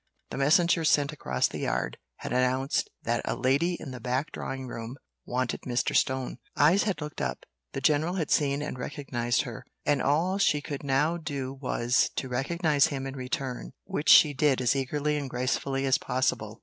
The messenger sent across the yard had announced that a lady in the back drawing room wanted Mr. Stone. Eyes had looked up the general had seen and recognised her, and all she could now do was, to recognise him in return, which she did as eagerly and gracefully as possible.